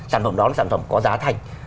sản phẩm đó là sản phẩm có giá thành